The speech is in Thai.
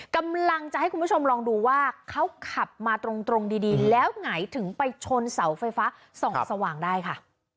กำลังจะให้คุณผู้ชมลองดูว่าเขาขับมาตรงดีแล้วไงถึงไปชนเสาไฟฟ้าส่องสว่างได้ค่ะ